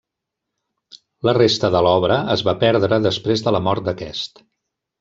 La resta de l'obra es va perdre després de la mort d'aquest.